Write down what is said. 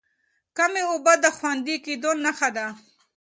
کمې اوبه د خوندي کېدو نښه ده.